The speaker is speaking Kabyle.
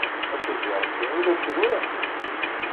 A Sidi Ṛebbi, ula d kenwi?